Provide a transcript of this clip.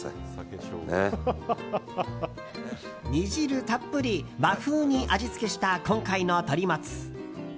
煮汁たっぷり和風に味付けした今回の鶏もつ。